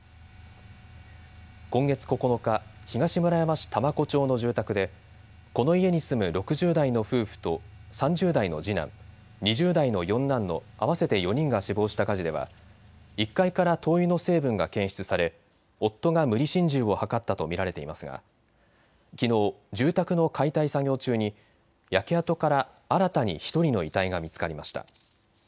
今月９日、東村山市多摩湖町の住宅でこの家に住む６０代の夫婦と３０代の次男、２０代の四男の合わせて４人が死亡した火事では１階から灯油の成分が検出され夫が無理心中を図ったと見られていますが、きのう住宅の解体作業中に焼け跡から新たに１人の遺体が見つかりました。